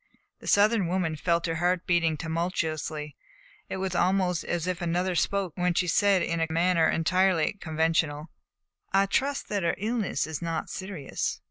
The Southern woman felt her heart beating tumultuously, and it was almost as if another spoke when she said in a manner entirely conventional: "I trust that her illness is not serious."